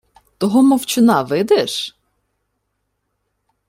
— Того мовчуна видиш?